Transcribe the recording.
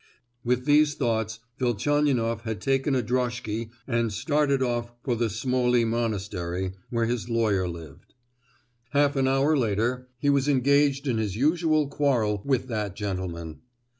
With these thoughts Velchaninoff had taken a droshky and started off for the Smolney Monastery, where his lawyer lived. Half an hour later he was engaged in his usual quarrel with that gentleman.